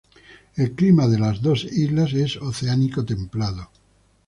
El clima de las dos islas es oceánico templado.